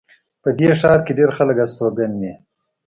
په دې ښار کې ډېر خلک استوګن دي